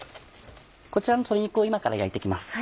こちらの鶏肉を今から焼いて行きます。